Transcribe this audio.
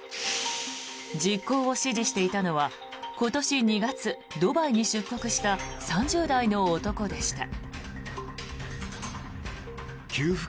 実行を指示していたのは今年２月、ドバイに出国した３０代の男でした。